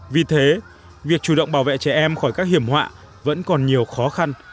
vì thế việc chủ động bảo vệ trẻ em khỏi các hiểm họa vẫn còn nhiều khó khăn